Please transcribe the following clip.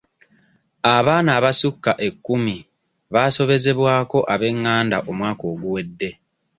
Abaaana abasukka ekkumi baasobezebwako ab'enganda omwaka oguwedde.